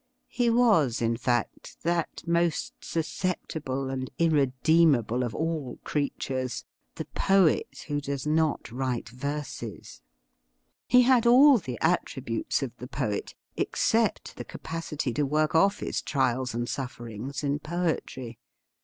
He was, in fact, that most susceptible and irredeemable of all creatures — the poet who does not write verses. He had all the attri butes of the poet, except the capacity to work off his trials and sufferings in poetry.